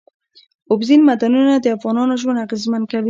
اوبزین معدنونه د افغانانو ژوند اغېزمن کوي.